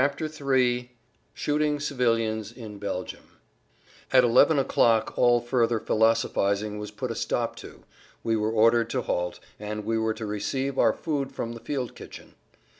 [Pg 23] III SHOOTING CIVILIANS IN BELGIUM At 11 o'clock all further philosophizing was put a stop to; we were ordered to halt, and we were to receive our food from the field kitchen.